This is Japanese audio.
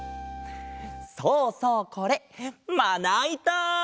そうそうこれまないた！